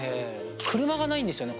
車がないんですよね